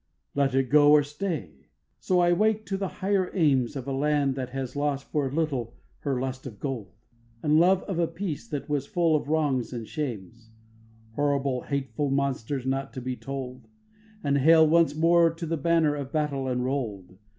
4. Let it go or stay, so I wake to the higher aims Of a land that has lost for a little her lust of gold, And love of a peace that was full of wrongs and shames, Horrible, hateful, monstrous, not to be told; And hail once more to the banner of battle unroll'd!